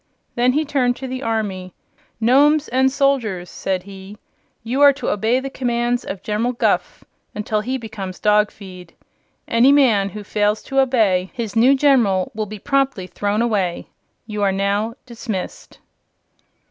Then he turned to the army. "Nomes and soldiers," said he, "you are to obey the commands of General Guph until he becomes dog feed. Any man who fails to obey his new General will be promptly thrown away. You are now dismissed."